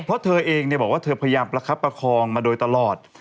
เพราะเธอเองบอกว่าเธอพยายามประคับประคองมาโดยตลอด